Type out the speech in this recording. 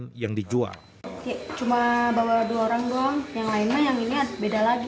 kayak cuma bawa dua orang doang yang lainnya yang ini beda lagi